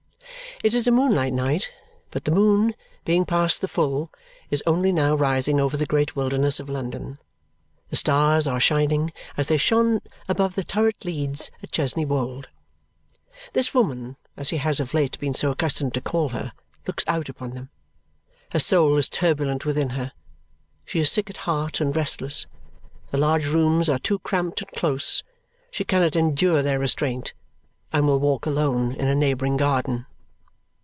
It is a moonlight night, but the moon, being past the full, is only now rising over the great wilderness of London. The stars are shining as they shone above the turret leads at Chesney Wold. This woman, as he has of late been so accustomed to call her, looks out upon them. Her soul is turbulent within her; she is sick at heart and restless. The large rooms are too cramped and close. She cannot endure their restraint and will walk alone in a neighbouring garden.